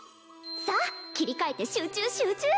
さあ切り替えて集中集中！